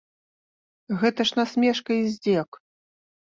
Гэта ж насмешка і здзек.